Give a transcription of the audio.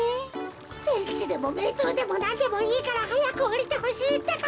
センチでもメートルでもなんでもいいからはやくおりてほしいってか。